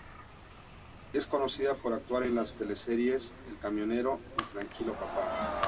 Es conocida por actuar en las teleseries "El Camionero" y "Tranquilo papá".